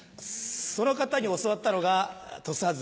その方に教わったのが土佐鶴